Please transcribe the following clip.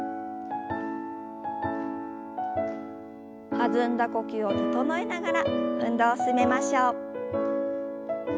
弾んだ呼吸を整えながら運動を進めましょう。